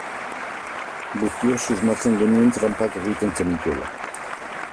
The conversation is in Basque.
Guztiok susmatzen genuen tranpak egiten zenituela.